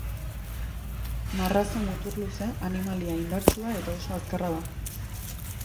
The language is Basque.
Marrazo muturluzea animalia indartsua eta oso azkarra da.